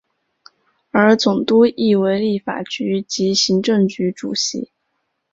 而总督亦为立法局及行政局主席。